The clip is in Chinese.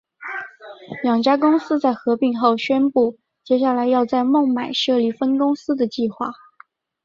两家公司在合并后宣布接下来要在孟买设立分公司的计划。